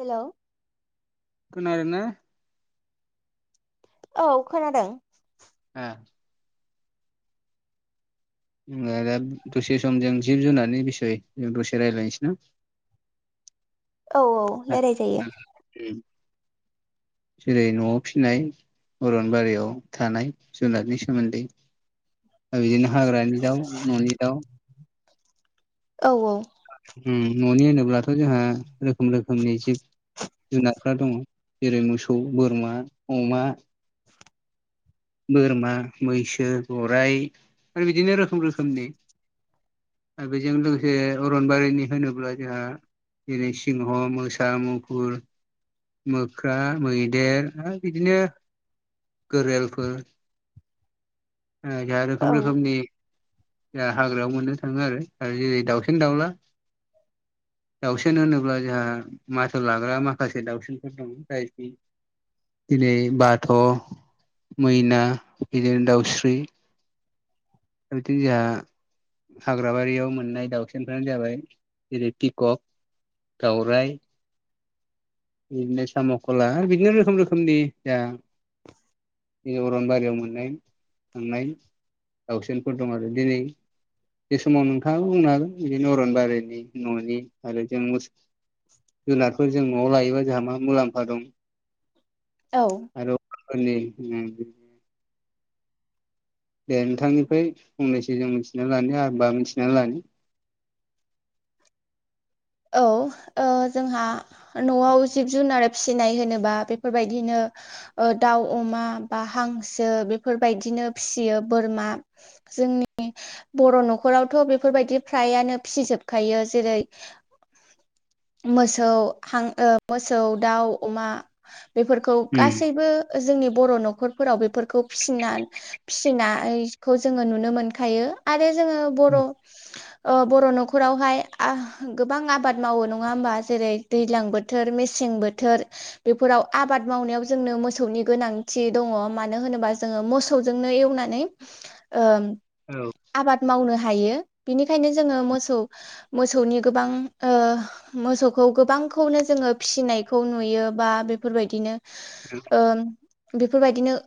Hello खोनादोंना औ खोनादों ए दा दसे सम जों जिब जुनारनि बिसय जों दसे रायज्लायनोसै ना [inaudible] औ औ रायलायजायो उम जेरै न'आव फिसिनाय अरनबारियाव थानाय जुनारनि सोमोन्दै बिदिनो हाग्रानि दाउ ननि दाउ औ औ उम न'नि होनोब्लाथ जोंहा रोखोम रोखोमनि एसे जुनारफ्रा दङ जेरै मोसौ बोरमा अमा बोरमा मैसो गराइ बिदिनो रोखोम रोखोमनि आरो बेजों लोगोसे अरनबारिनि होनोब्ला जोंहा जेरै सिंह मोसा मुफुर मोख्रा मैदेर आरो बिदिनो गोरेल बो जा औ रोखोम रोखोमनि जोंहा हाग्रायाव मोननो थाङो आरो जेरै दाउसिन दाउला दउसिन होनोब्ला जोंहा माथो लाग्रा माखासे दाउसिनफोर दं जाय जेरै बाथ' मैना बिदिनो दाउस्रि दा बिदिनो जोंहा हाग्राबारियाव मोननाय दाउसिनफ्रानो जाबाय जेरै पिकक दाउराय बिदिनो सामखला बिदिनो रोखोम रोखोमनि जा अरनबारियाव मोननाय थांनाय दाउसिनफोर दं आरो दिनै बे समाव नोंथाङाबो बुंनो हागोन बिदिनो अरनबारिनि न'नि आरो जों मोसौ जुनारफोर जों न'आव लायोबा जोंहा मा मुलाम्फा दं औ आरो बेफोरनि गोनांथि [unintelligible] दे नोंथांनिफ्राय फंनैसो जों मिथिना लानो होमबा मिथिनानै लानो [unintelligible] औ जोंहा न'आव जिब जुनार फिसिनाय होनोबा बेफोरबायदिनो दाउ अमा बा हांसो बेफोरबायदिनो फिसियो बोरमा जोंनि बर' न'खरावथ' बेफोरबायदि फ्रायानो फिसिजोबखायो जेरै मोसौ हां मोसौ दाउ अमा बेफोरखौ गासैबो जोंनि बर' न'खरफोराव बेफोरखौ फिसिना फिसिनायखौ जोङो नुनो मोनखायो आरो जोङो बर' न'खरावहाय गोबां आबाद मावो नङा होमबा जेरै दैज्लां बोथोर मेसें बोथोर बेफोराव आबाद मावनायाव जोंनो मोसौनि गोनांथि दङ मानो होनोबा जोङो मोसौ मोसौजोंनो एवनानै औ आबाद मावनो हायो बिनिखायनो जोङो मोसौ मोसौनि गोबां मोसौखौ गोबांखौनो जोङो फिसिनायखौ नुयो बा बेफोरबायदिनो बेफोरबायदिनो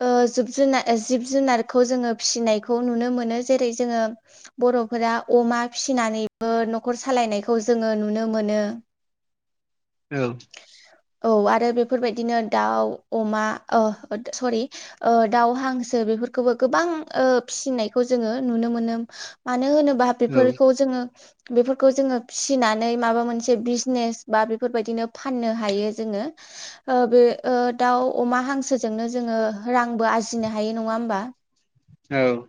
[unintelligible] जिब जुनार जिब जुनारखौ जोङो फिसिनायखौ नुनो मोनो जेरै जोङो बर'फोरा अमा फिसिनानैबो न'खर सालायनायखौ जोङो नुनो मोनो औ औ आरो बेफोरबायदिनो दाउ अमा सरि ओ दाउ हांसो बेफोरखौबो गोबां फिसिनायखौ जोङो नुनो मोनो मानो होनोबा औ बेफोरखौ जोङो बेफोरखौ जोङो फिसिनानै माबा मोनसे बिजनेस बा बेफोरबायदिनो फाननो हायो जोङो बे दाउ अमा हांसोजोंनो जोङो रांबो आरजिनो हायो नङा होमबा औ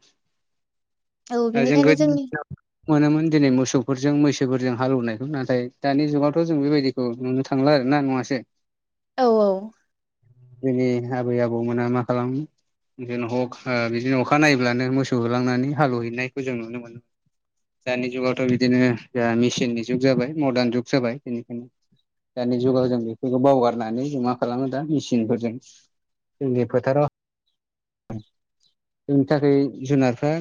औ जों बिनिखायनो गोदोनि जोंनि दिनाव [unintelligible] मोनोमोन दिनै मोसौफोरजों मैसोफोरजों हाल एवनायखौ नाथाय दानि जुगावथ' जों बेबायदि खौ नुनो थांला आरो ना नङाआसे [unintelligible] औ औ जोंनि आबै आबौमोना मा खालाम जेन बिदिनो अखा नायब्लानो मोसौ होलांनानै हाल एवहैनायखौ जों नुनो मोनो दानि जुगावथ' बिदिनो जोंहा मेसिननि जुग जाबाय मदार्न जुग जाबाय बेनिखायनो दानि जुगाव जों बेफोरखौ बावगारनानै जों मा खालामो दा मेसिनफोरजों जोंनि फोथाराव जोंनि थाखाय जुनारफ्रा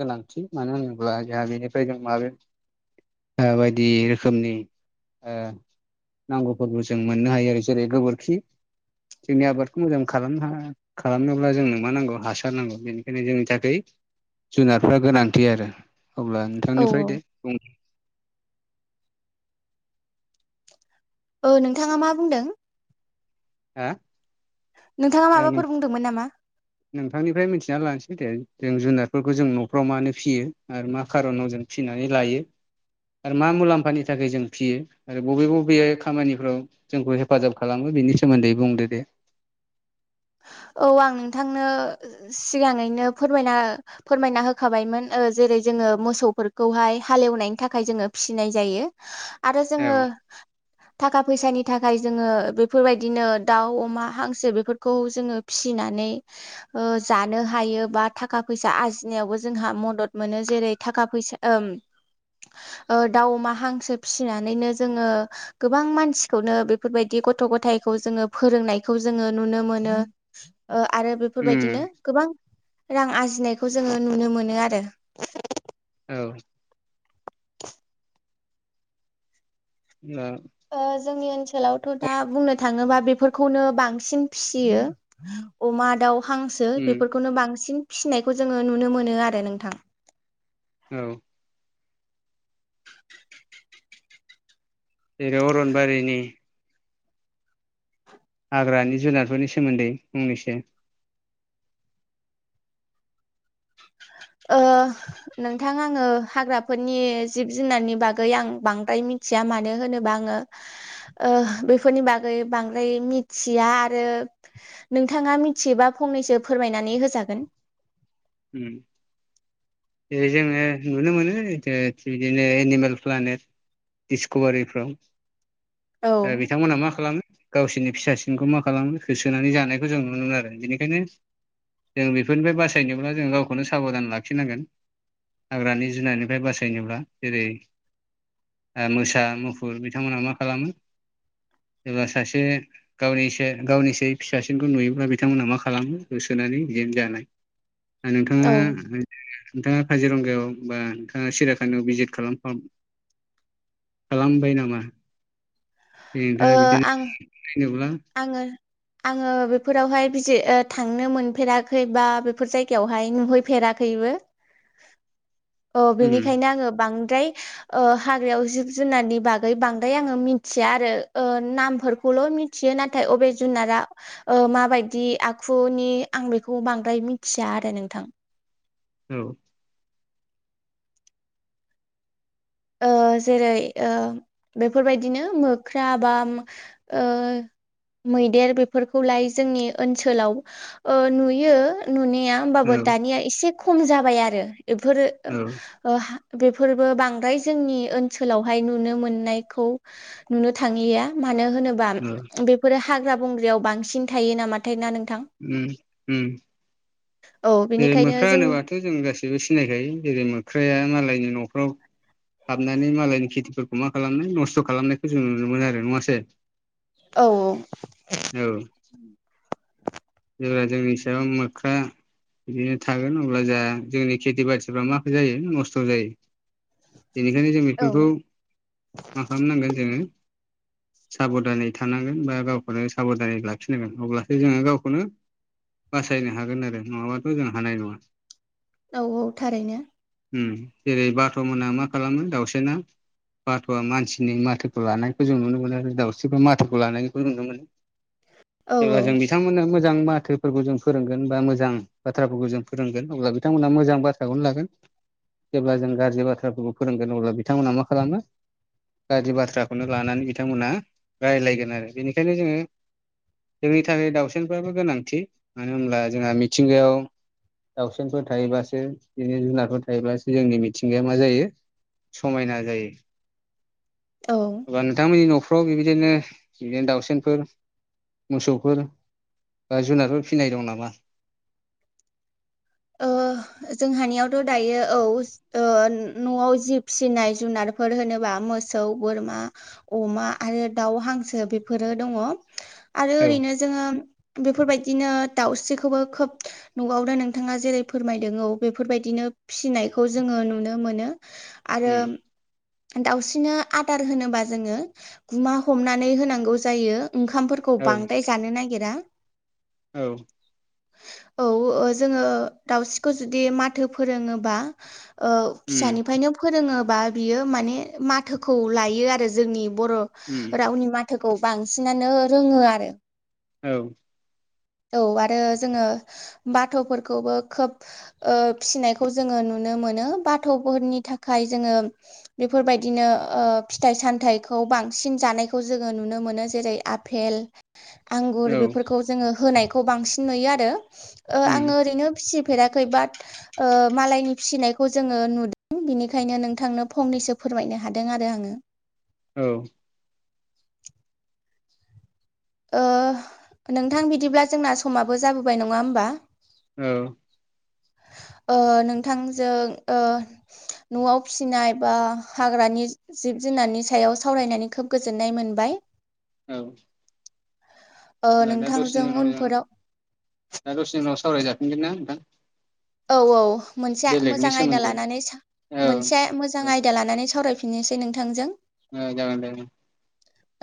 गोनांथि मानो होनोब्ला जोंहा बेनिफ्राय जों माबे बायदि रोखोमनि नांगौफोरबो जों मोननो हायो आरो जेरै गोबोरखि जोंनि आबादखौ मोजां खालामनो हायो खालामनोब्ला जोंनो मा नांगौ हासार नांगौ बेनिखायनो जोंनि थाखाय जुनारफ्रा गोनांथि आरो अब्ला औ नोंथांनिफ्राय दे बुं औ नोंथाङा मा बुंदों हा नोंथाङा ओ नों माबाफोर बुंदोंमोन नामा नोंथांनिफ्राय मिथिना लानोसै दे जों जुनारफोरखौ जों न'फ्राव मानो फियो आरो मा खार'नाव जों फिसिनानै लायो आरो मा मुलाम्फानि थाखाय जों फियो आरो बबे बबे खामानिफ्राव जोंखौ हेफाजाब खालामो बिनि सोमोन्दै बुंदो दे औ आं नोंथांनो सिगाङैनो फोरमायना फोरमायना होखाबायमोन जेरै जोङो मोसौफोरखौहाय हालेवनायनि थाखाय जोङो फिसिनाय जायो आरो जोङो औ थाखा फैसानि थाखाय जोङो बेफोरबायदिनो दाउ अमा हांसो बेफोरखौ जोङो फिसिनानै जानो हायो बा थाखा फैसा आरजिनायावबो जोंहा मदद मोनो जेरै थाखा फैसा ओ [inaudible] दाउ अमा हांसो फिसिनानैनो जोङो गोबां मानसिखौनो बेफोरबायदि गथ' गथायाइखौ जोङो फोरोंनायखौ जोङो नुनो मोनो आरो बेफोरबायदिनो उम गोबां रां आरजिनायखौ जोङो नुनो मोनो आरो औ ओ जोंनि ओनसोलावथ दा बुंनो थाङोबा बेफोरखौनो बांसिन फिसियो अमा दाउ हांसो उम बेफोरखौनो बांसिन फिसिनायखौ जोङो नुनो मोनो आरो नोंथां औ जेरै अरनबारिनि हाग्रानि जुनारफोरनि सोमोन्दै फंनैसो नोंथां आङो हाग्राफोरनि जिब जुनारनि बागै आं बांद्राय मिथि या मानो होनोबा आङो बेफोरनि बागै बांद्राय मिथिया आरो नोंथाङा मिथियोबा फंनैसो फोरमायनानै होजागोन उम जोङो नुनो मोनो बिदिनो एनिमेल प्लाने दिसकभारिफ्राव औ दा बिथांमोनहा मा खालामो गावसोरनि फिसा सिनखौ मा खालामो होसोनानै जानायखौ जों नुनो मोनो आरो बेनिखायनो जों बेफोरनिफ्राय बासायनायनोब्ला जों गावखौनो साबधान लाखिनांगोन हाग्रानि जुनारनिफ्राय बासायनोब्ला जेरै मोसा मुफुर बिथांमोनहा मा खालामो एबा सासे गावनिसो गावनिसो फिसासिनखौ नुयोब्ला बिथांमोनहा मा खालामो होसोनानै जेन जानाय औ नोंथाङा ओ नोंथाङा काजिरंगायाव बा नोंथाङा सिराखानायाव भिजिट खालामखां खालामबाय नामा नोंथाङा बिदिनो आं फैनोब्ला आङो आङो बेफोरावहाय बिज थांनो मोनफेराखै बा बेफोर जायगायावहाय नुहै फेराखैबो [inaudible] औ उम बेनिखायनो आङो बांद्राय ओ हाग्रायाव जिब जुनारनि बागै बांद्राय आङो मिथिया आरो ओ नामफोरखौल मि थियो नाथाय अबे जुनारा ओ माबायदि आखुनि आं बेखौ बांद्राय मिथिया आरो नोंथां औ ओ जेरै ओ बेफोरबायदिनो मोख्रा बा ओ मैदेर बेफोरखौलाय जोंनि ओनसोलाव ओ नुयो नुनाया औ होमबाबो दानिया एसे खम जाबाय आरो इफोरो औ ओ बेफोरबो बांद्राय जोंनि ओनसोलावहाय नुनो मोननायखौ नुनो थांलिया मानो होनो बा औ बेफोरो हाग्रा बंग्रायाव बांसिन थायो नामाथाय ना नोंथां उम उम औ ओ बेनिखायनो मोख्रा जोंनि होनोबाथजों गासै बो सिनायखायो जेरै मोख्राया मालायनि न'खराव हाबनानै मालायनि खेथिफोर मा खालामदों नस्थ' खालामनायखौ जों नुनो मोनो आरो नङासै औ औ। औ। जेब्ला जोंनि सायाव मोख्रा बिदिनो थागोन अब्ला जाहा जोंनि खेथि बाथिफ्रा मा जायो नस्थ' जायो। बेनिखायनो जों औ बेफोरखौ मा खालामनांगोन जोङो साबधानै थानांगोन बा गावखौनो साबधानै लाखिनांगोन अब्लासो जोङो गावखौ खौनो बासायनो हागोन आरो नङाबाथ' जों हानाय नङा। औ औ थारैनो। ओम जेरै बाथ' मोना मा खालामो दाउसेना बाथ'आ मानसिनि माथोखौ लानायखौ जों नुनो मोनो आरो दाउस्रिफ्रा माथोखौ लानायखौ नुनो मोनो। औ जेब्ला औ जों बिथांमोननो मो जों माथोफोरखौ जों फोरोंगोन बा मोजां बाथ्राफोरखौ जों फोरोंगोन अब्ला बिथांमोनहा मोजां बाथ्राखौनो लागोन। जेब्ला जों गाज्रि बाथ्राफोरखौ फोरोंगोन अब्ला बिथांमोना मा खालामो गाज्रि बाथ्राखौनो लानानै बिथांमोनहा रायलायगोन आरो बेनिखायनो जोङो जोंनि थाखाय दावसेनफ्राबो गोनांथि मानो होनब्ला जोंहा मिथिंगायाव दाउसेनफोर थायोबासो बिदि जुनारफोर थायोब्लासो जोंनि मिथिंगाया मा जायो। समायना जायो। औ। बा नोंथांमोननि न'फ्राव बेबायदिनो बिदिनो दाउसेनफोर मोसौफोर बा जुनारफोर फिनाय दं नामा? ओ जोंहानियावथ' दायो औ ओ न'आव जि फिनाय जुनारफोर होनोबा मोसौ, बोरमा अमा आरो दाउ हांसो बेफोरो दङ'। आरो औ ओरैनो जोङो बेफोर बायदिनो दाउस्रिखौबो खोब न'आव दोनो। नोंथाङा जेरै फोरमायदों औ बेफोर बायदिनो फिनायखौ जोङो नुनो मोनो। आरो उम दाउस्रिनो आदार होनोबा जोङो गुमा हमनानै होनांगौ जायो ओंखामफोरखौ खौ औ बांद्राय जानो नागिरा। औ। औ ओ जोङो दाउस्रिखौ जुदि माथो फोरोङोबा ओ उम फिसानिफ्रायनो फोरोङोबा बियो माने माथोखौ लायो आरो जोंनि बर' उम रावनि माथोखौ बांसिनानो रोङो आरो। औ। औ आरो जोङो बाथ'फोरखौबो खोब ओ फिनायखौ जोङो नुनो मोनो बाथ'फोरनि थाखाय जोङो बेफोर बायदिनो ओ फिथाइ-सामथाइखौ बांसिन जानायखौ जोङो नुनो मोनो जेरै आपेल आंगुर औ बेफोरखौ जोङो होनायखौ बांसिन नुयो आरो ओ उम आङो ओरैनो फिसि फेराखै बाट ओ मालायनि फिसिनायखौ जोङो नुदों। बिनिखायनो नोंथांनो फनैसो फोरमायनो हादों आरो आङो। औ। ओ नोंथां बिदिब्ला जोंना समाबो जाबोबाय नङा होमबा। औ। ओ नोंथांजों ओ न'आव फिनाय बा हाग्रानि जिब जुनारनि सायाव सावरायनानै खोब गोजोननाय मोनबाय। औ। ओ होनबा दा नोंथांजों दसेनि उनाव जों उनफोराव दा दसेनि उनाव सावरायजाफिनगोन ना नोंथां। औ औ मोनसे बेलेगनि मोजां आयदा सोमोन्दै लानानै सा औ मोनसे मोजां मोजां आयदा लानानै सावरायफिननोसै नोंथांजों। औ जागोन दे उम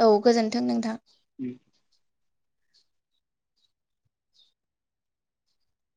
औ गोजोन्थों नोंथां। उम